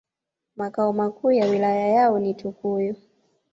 Makao makuu ya wilaya yao ni Tukuyu